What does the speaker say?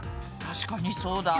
確かにそうだ。